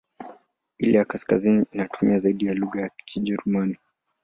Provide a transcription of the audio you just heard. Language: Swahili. Ile ya kaskazini inatumia zaidi lugha ya Kijerumani.